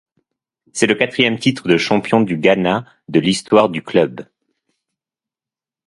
C'est le quatrième titre de champion du Ghana de l'histoire du club.